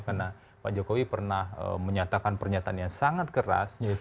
karena pak jokowi pernah menyatakan pernyataan yang sangat keras